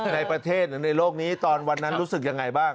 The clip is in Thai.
ในประเทศหรือในโลกนี้ตอนวันนั้นรู้สึกยังไงบ้าง